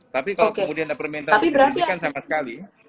tapi kalau kemudian ada permintaan dihentikan sama sekali